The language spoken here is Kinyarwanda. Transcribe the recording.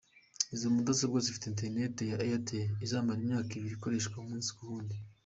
Izo mudasobwa zifite interineti ya Airtel izamara imyaka ibiri ikoreshwa umunsi ku wundi.